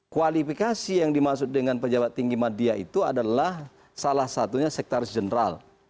kualifikasi yang dimaksud dengan pejabat tinggi media itu adalah salah satunya sekretaris jenderal